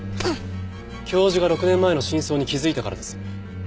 教授が６年前の真相に気づいたからです。